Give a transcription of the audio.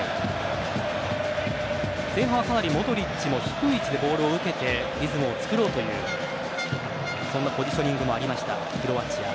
前半はかなりモドリッチも低い位置でボールを受けてリズムを作ろうというそんなポジショニングもありました、クロアチア。